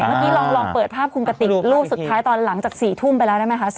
เมื่อกี้ลองเปิดภาพคุณกติกรูปสุดท้ายตอนหลังจาก๔ทุ่มไปแล้วได้ไหมคะ